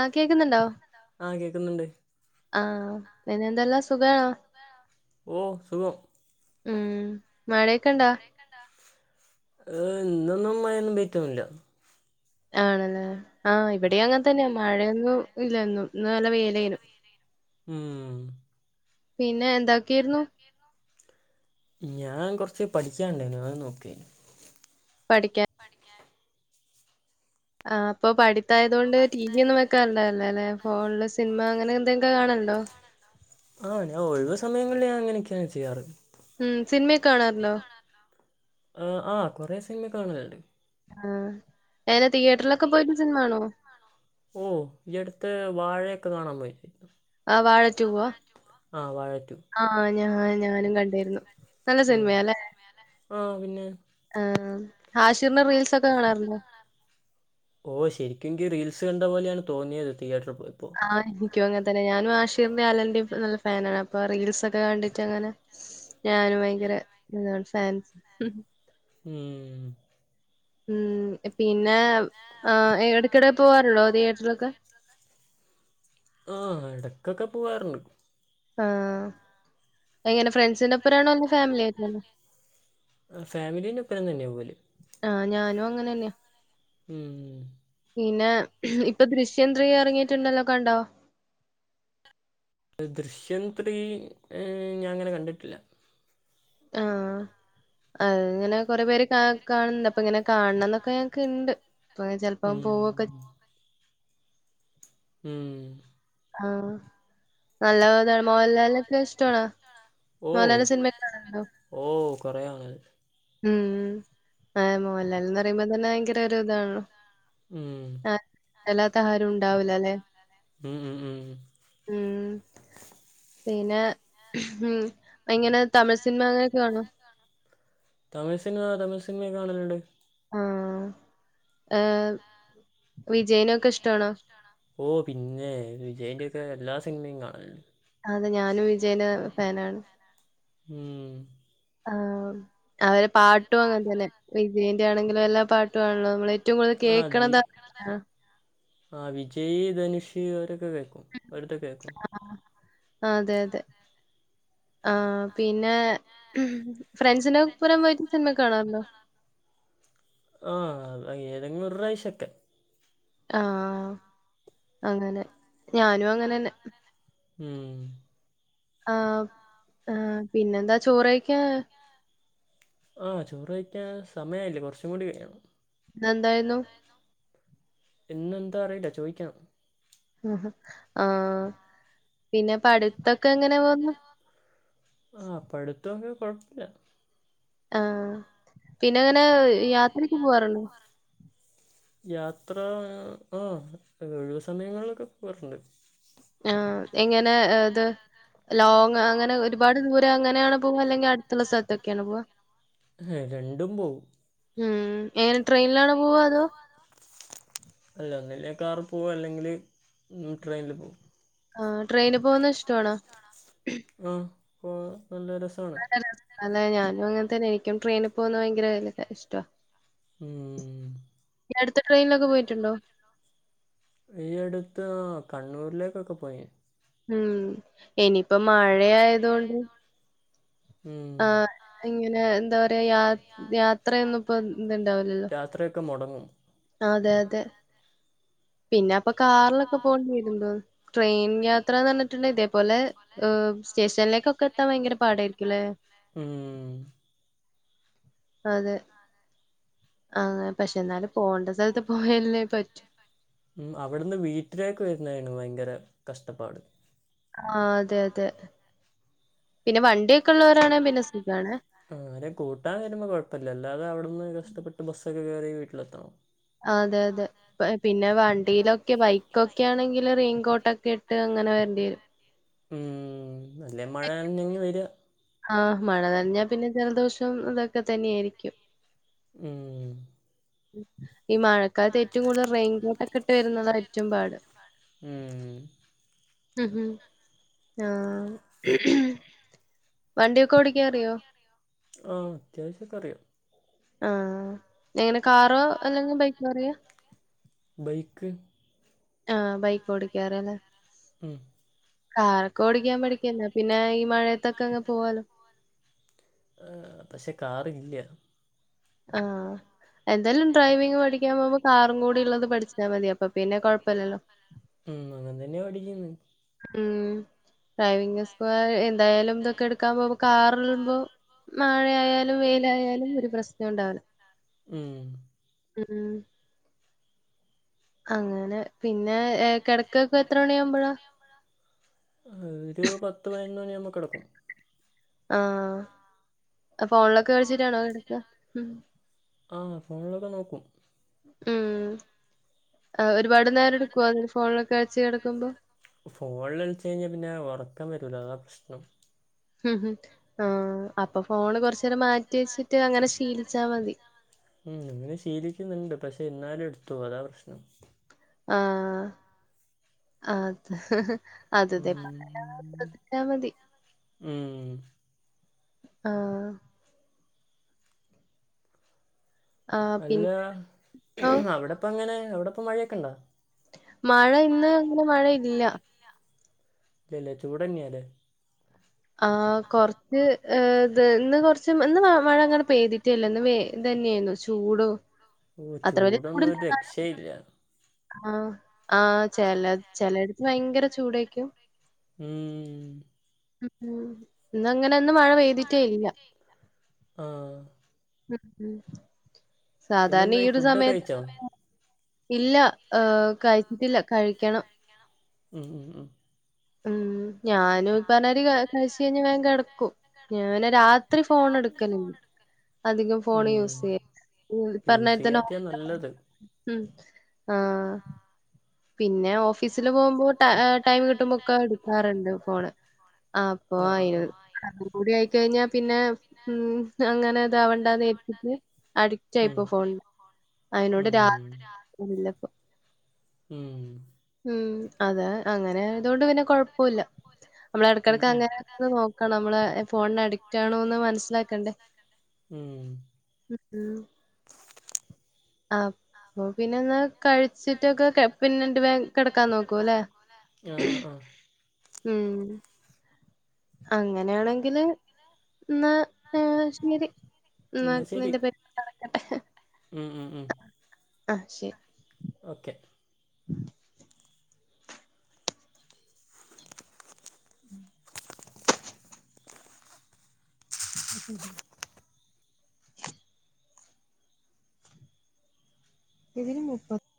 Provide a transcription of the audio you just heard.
ആ കേക്കുന്നുണ്ടോ ആ കേൾക്കുന്നുണ്ട് ആ പിന്നെ എന്തെല്ലാം സുഖണോ ഓ സുഖം ഉം മഴ ഒക്കെ ഉണ്ടൊ ഏ ഇന്നൊന്നും മഴ യൊന്നു പെയ്ദ് ട്ടൊന്നുല്ല ആണല്ലേ ആഹ് ഇവിടെ അങ്ങനെ തന്നെയാ മഴയൊന്നും ഇല്ലും ഇന്ന് നല്ല വെയ്ലെന്നു ഉം പിന്നെ എന്താക്കിരുന്നു ഞാൻ കൊറച്ച് പഠിക്കാണ്ടായിനു അത് നോക്കു പഠിക്കാൻ ആ അപ്പൊ പഠിത്തായതുകൊണ്ട് ടി വി ഒന്നും വെക്കാറുണ്ടവില്ല അല്ലെ ഫോണില് സിനിമ അങ്ങനെ എന്തെക്കെ കാണണ്ടോ ആഹ് ഞാൻ ഒഴിവ് സമയങ്ങളിൽ ഞാൻ അങ്ങനെയൊക്കെയാണ് ചെയ്യാറ് ഉം സിനിമയൊക്കെ കാണാറണ്ടോ ആ ആ കൊറെ സിനിമ കാണലണ്ട് ആ നെ തിയേറ്ററിലൊക്കെ പോയിട്ട് സിനിമ കാണോ ഓ അടുത്ത് വാഴയൊക്കെ കാണാൻ പോയി ആ വാഴറ്റു വാ ആഹ വഴറ്റു ഞാ ഞാനും കണ്ടിരുന്നു നല്ല ഉം സിനിമയല്ലേ ആഹ് പിന്നെ ഹാഷിറിന്റെ റീൽസ് ഒക്കെ കാണാറുണ്ടോ ഓ ശരിക്കുംങ്കി റീൽസ് കണ്ട പോലെയാണ് തോന്നിയത് തതിയ ആഹ ക്കും അങ്ങനെ തന്നെ ഞാനും ആഷീറിന്റെ ആലന്റെറെയും നല്ല ഫാനണ് അപ്പൊ റീൽസ് ഒക്കെ കണ്ടിട്ട് അങ്ങനെ ഞാനും ഭയങ്കര ഇതാണ് ഫാൻ ഉം ഉം പിന്നെ എടക്കിടെ പോവാറുണ്ടോ തിയേറ്ററിലൊക്കെ ആഹ എടക്കൊക്കെ പോവാറുണ്ട് ആഹ എങ്ങനെ ഫ്രണ്ട്സിന്റെപ്പരണോ അല്ല ഫാമിലി ആയിട്ട ഫാമിലീന്റെപ്പരം തന്നെയ പോലെ ആഹ ഞാനും അങ്ങനെന്നയാ ഉം പിന്നെ ഇപ്പൊ ദശ്യം ത്രീ ഇറങ്ങിട്ടുണ്ടല്ലോ കണ്ടോ അ ദൃശ്യം ത്രീ ഞാൻ അങ്ങനെ കണ്ടിട്ടില്ല ആഹ അ ഇങ്ങനെ കൊറെ പേര് കാ കാണുന്നുണ്ട് അപ്പൊ ഇങ്ങനെ കാണണംന്നൊക്കെ ഞനക്ക് ഇണ്ട് പ്പൊ ചെലപ്പോം ഉം പോവൊക്കെ ഉം ആഹ് നല്ല [unintelligible] മോഹല്ലാലൊക്കെ ഇഷ്ടണാ ഓ ഓ കൊറേ [unintelligible] ഉം ആഹ് മോഹൻലാല് ന്ന് പറയുമ്പോ തന്നെ ഭയങ്കര ഒരു ഇതാണ് ഉം അല്ലാത്ത [unintelligible] ഉണ്ടാവൂല്ലാലെ ഉം പിന്നെ ഇങ്ങനെ തമിഴ് സിനിമ അങ്ങനെയൊക്കെ കാണോ തമിഴ് സിനിമ തമിഴ് സിനിമ കാണലുണ്ട് ആഹ് ഏ വിജയ്നൊക്കെ ഇഷ്ട്ടാണോ ഓ പിന്നെ വിജയ്ൻ്റൊക്കെ എല്ലാ സിനിമയും കാണൽ അതെ ഞാനും വിജയന് ഫാനാണ് ഉം ആ അവരെ പാട്ടും അങ്ങനെ തന്നെ വി ജെയ് ന്റാണെങ്കിലും എല്ലാ പാട്ടു ആണല്ലോ മ്മള് റ്റവും കൂടുതൽ ആഹ് വി കേക്ക്ണത് [unintelligible] ആഹ് വിജയ് ധനുഷ് അവരെ ക്കെ കേക്കും വെര്തെ കേക്കും ആഹ് അതെ അതെ ആഹ് പിന്നെ ഫ്രണ്ട്സിനൊപ്പരം പോയിട്ട് സിനമ കാണാറുണ്ടോ ആഹ് ഏതെങ്കിലും ഒരുറാവശ്യൊക്കെ. ആഹ് അങ്ങനെ ഞാനും അങ്ങനെന്നെ. ഉം. ആഹ് ആ പിന്നെന്താ ചോറെയിക്കാ ആഹ് ചോറ് കഴിക്കാൻ സമയായില്ല കുറച്ചും കൂടി കയ്യണം. ന്നെന്തായിരുന്നു. ഇന്നെന്താ അറിയില്ല ചോയ്ക്കാം. ഹാഹ ആഹ്. പിന്നെ പഠിത്തൊക്കെ എങ്ങനെ പോവുന്നു. കൊഴപ്പില്ല. ആഹ്. പിന്നെ അങ്ങനെയ് യാത്രി പൂവാറുണ്ടോ. യാത്രാ ആഹ് ഒഴിവ് സമയങ്ങളിലൊക്കെ പോവാറുണ്ട്. ആഹ്. എങ്ങനെ ഏത് ലോങ് അങ്ങനെ ഒരുപാട് ദൂരെ അങ്ങനെയാണ് പോവ അല്ലെങ്കിൽ അടുത്തുള്ള സ്ഥലത്തൊക്കെയാണ് പോവാ. ഹെ രണ്ടും പോവും. ഉം എങ്ങനെ ട്രെയിനിലാണോ പോവാ അതോ അല്ല ഒന്നല്ലെ കാറി പോവും അല്ലെങ്കില് ട്രെയിനില് പോവും. ആഹ് ട്രെയിനി പോകുന്ന ഇഷ്ടാണോ ആ പോ നല്ലരസാണ് അതെ ഞാനും അങ്ങനെ തന്നെ എനിക്കും ട്രെയിനിൽ പോകുന്ന ഭയങ്കര ഇഷ്ടവാ ഉം. എട ട്രെയിനിലൊക്കെ പോയിട്ടുണ്ടോ ഈ അടുത്ത് കണ്ണൂരിലേക്കൊക്കെ പോയി ഞാൻ ഉം ഇനിയിപ്പോ മഴയായതൊണ്ട് ഉം. ആഹ് ഇങ്ങനെ എന്താ പറയാ യാ യാത്രയൊന്നും ഇപ്പ യാത്രയൊക്കെ മുടങ്ങും അതെ അതെ പിന്നെ അപ്പൊ കാറിലൊക്കെ പോകേണ്ടിരുന്നു ട്രെയിൻ യാത്രന്ന് പറഞ്ഞിട്ടുണ്ടെ ഇതേപോലെ സ്റ്റേഷനിലേക്കൊക്കെ എത്താൻ ഭയങ്കര പാടായിരിക്കുംല്ലേ ഉം അതെ അങ്ങനെ പക്ഷെ എന്നാലും പോണ്ട സ്ഥലത്ത് പോയല്ലേ പറ്റൂ ഉം അവിടുന്ന് വീട്ടിലേക്ക് വരുന്നാണ് ഭയങ്കര കഷ്ടപ്പാട് ആഹ അതെ അതെ പിന്നെ വണ്ടിയൊക്കെ ഉള്ളവരാണെ പിന്നെ സുഖാണ്. ആരേം കൂട്ടാൻ വരുമ്പോ കൊഴപ്പല്ലാ അല്ലാതെ അവിടെന്ന് കഷ്ടപ്പെട്ട് ബസ് അതൊക്കെകേറി വീട്ടിലെത്തണം അതെ അതെ പിന്നെ വണ്ടിയിലൊക്കെ ബൈക്കൊക്കെ ആണെങ്കിൽ റെയിൻകോട്ടൊക്കെ ഇട്ട് അങ്ങനെ വരേണ്ടി വരും ഉം അല്ലെ മഴ നനഞ്ഞു വരുക- ആഹ മഴ നനഞ്ഞാ പിന്നെ ജലദോഷം ഇതൊക്കെ തന്നെയായിരിക്കും ഉം ഈ മഴ മഴക്കാലത്ത് ഏറ്റവും കൂടുതൽറെയിൻകോട്ടൊക്കെ ഇട്ടുവരുന്നതായിരിക്കും ചുറ്റുംപാട് ഉം ഉഹ് ഉഹ് ആഹ [unintelligible] ആ അത്യാവശ്യക്കെ അറിയാം ആഹ എങ്ങനെ കാറോ അല്ലെങ്കിൽ ബൈക്കോ അറിയാ ബൈക്ക് ആഹ ബൈക്ക് ഓടിക്കാറിയാലെ ഉം കാർ ഓടിക്കാൻ പഠിക്കണ്ടെ പിന്നെ മഴയത്തൊക്കെ അങ്ങ് പോവാലോ ആ, പക്ഷെ കാറില്ല ആഹ എന്താലും ഡ്രൈവിങ് പഠിക്കാൻ പോവു കാർറും കൂടി ഉള്ളത് പഠിച്ചാൽ മതിയാ അപ്പൊ പിന്നെ കൊഴപ്പല്ലല്ലോ ഉം അങ്ങനെ തന്നെ പഠിക്കുന്നേ ഉം ഡ്രൈവിംഗ് സ്കു എന്തായാലും ഇതൊക്കെ എടുക്കാൻ പോവുമ്പോ കാർ ആവുമ്പോൾ മഴയാലും വെയിലായാലും ഒരു പ്രശ്നം ഉണ്ടാവി ഉം ഉം അങ്ങനെ പിന്നെ കെട ഇപ്പോ എത്രണിയാവുമ്പോഴാ ഒരു പത്ത് പതിനൊന്ന് മണിയാവുമ്പ നമ്മ കെടക്കും ആഹ ഫോണലൊക്കെ കളിച്ചിട്ടാണോ കിടക്ക ഉം ആ ഫോണിലൊക്കെ നോക്കും ഉം ഒരുപാട് നേരെടുകോ അതി ഫോണില് കഴിച്ച് കെടക്കുമ്പോ ഫോണില്ളിച്ചഴിഞ്ഞാൽ പിന്നെ ഉറക്കം വരൂല അതാ പ്രശ്നം ഉം ഉം ആ അപ്പൊ ഫോണ് കൊറച്ചേരം മാറ്റി വെച്ചിട്ട് അങ്ങനെ ശീലിച്ചാ മതി ഉം അങ്ങനെ ശീലിക്കുന്നുണ്ട് പക്ഷേ എന്നാലും എടുത്തോവും അതാ പ്രശ്നം ആ ആ ആത് അത് തെ അതന്നെ ഉം. [unintelligible] മതി ഉം ആ ആഹ് അല്ല പിന്നെ ഓഹ് അവിടെപ്പ അങ്ങനെ അവിടെ ഇപ്പ മഴൊക്കെ ഇണ്ടോ മഴ ഇന്ന് അങ്ങനെ മഴയില്ല ഇല്ല ഇല്ല ചൂടന്നെല്ലേ ആ കൊറച്ച് ഏ ഇത് ഇന്ന് കൊറച്ച് ഇന്ന് മഴ അങ്ങനെ പെയ്തിട്ടേല്ല ഇന്ന് വെ ഇതന്നെന്നു ചൂടും ഓ ചൂടൊന്നും ഒരു രക്ഷയില്ല ആ ആ ചെല ചെലയിടുത്ത് ഭയങ്കര ചൂടെക്കും ഉം ഇന്ന് അങ്ങനെ ഒന്നും മഴ പെയ്തിട്ടേ ഇല്ല ആ ഉം ഉം സാധാരണ പിന്നെന്തായി ഈ അതാണ് ഒരു ഫുഡൊക്കെ സമയത്ത് കഴിച്ചോ ഇല്ല ഹ് കഴിച്ചിട്ടില്ല കഴിക്കണം ഉം ഉം ഉം ഉം ഞാനും പനരി കഴി കഴിച്ച് കഴിഞ്ഞാൽ വേ കെട ക്കും ഞാനാ രാത്രി ഫോൺ എടുക്കലില്ല അധികം ഫോൺ യൂസ് ചെയ്യ് ഈ യൂസ് യൂസ് പറഞ്ഞാതിരി തന്നെ ചെയ്യാത്തയാ ശ്രദ്ധിക്കണം നല്ലത് ആഹ് പിന്നെ ഓഫിസ്സിൽ പോകുമ്പോ ടൈം കിട്ടുമ്പോക്കെ എടുക്കാറുണ്ട് ഫോണ് ആ അപ്പൊ ആഹ് ആയി ആഹ് ആഹ് [unintelligible] യി കഴിഞ്ഞാ പിന്നെ ഉം അങ്ങനെ ഇതാവണ്ട നേര്തിട്ട് അഡിക്റ്റ് ഉം ആയിപ്പോ ഫോൺ അയിനോട് രാത് ഉം [unintelligible] ഇല്ല പ്പൊ ഉം ഉം അതെ അങ്ങനെ ഇതോണ്ട് പിന്നെ കൊഴപ്പുല്ല നമ്മള ഉം ഉം എടക്കടക്ക് അങ്ങനെ ഒന്ന് നോക്കണം നമ്മള് ഫോണിന് അഡിക്റ്റ് ആണോന്ന് മനസ്സിലാക്കണ്ടേ ഉം ഉം ഉം ആ അപ്പൊ പിന്നെന്നാ കഴിച്ചിട്ടൊക്കെ കെട പിന്നെണ്ട് വേം കിടക്കാൻ നോക്കൂലേ ആഹ് ആഹ് ആഹ് ഉം അങ്ങനെയാണെങ്കില് എന്നാ ആ ശരി ന്നാ എന്നാ ശരി നിന്റെ പേ [unintelligible] [inaudible] [inaudible] ഉം ഉം ഉം ആ ശരി ഓക്കെ [inaudible] [inaudible] [inaudible] ഇതിന് മുപ്പ